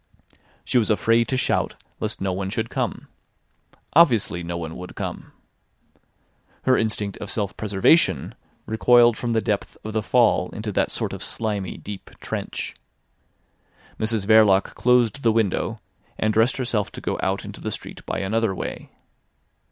She was afraid to shout lest no one should come. Obviously no one would come. Her instinct of self preservation recoiled from the depth of the fall into that sort of slimy, deep trench. Mrs Verloc closed the window, and dressed herself to go out into the street by another way.